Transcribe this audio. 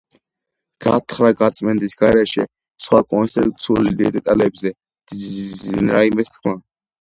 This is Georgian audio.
გათხრა-გაწმენდის გარეშე სხვა კონსტრუქციულ დეტალებზე ძნელია რაიმეს თქმა.